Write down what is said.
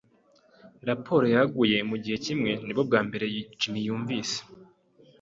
Raporo yaguye mugihe kimwe. Nibwo bwa mbere Jim yumvise ,.